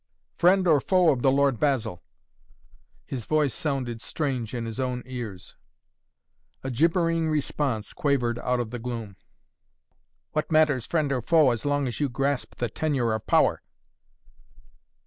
Friend or foe of the Lord Basil?" His voice sounded strange in his own ears. A gibbering response quavered out of the gloom. "What matters friend or foe as long as you grasp the tenure of power?"